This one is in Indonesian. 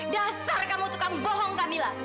dasar kamu tuh kamu bohong kamila